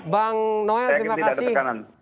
bang noelle terima kasih